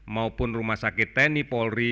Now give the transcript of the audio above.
maupun rumah sakit tni polri